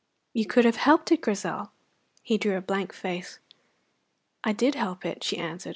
"You could have helped it, Grizel!" He drew a blank face. "I did help it," she answered.